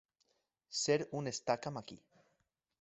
Ser un estaca'm aquí.